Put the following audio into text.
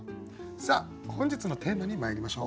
さあ本日のテーマにまいりましょう。